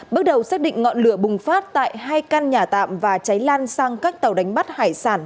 bước đầu xác định ngọn lửa bùng phát tại hai căn nhà tạm và cháy lan sang các tàu đánh bắt hải sản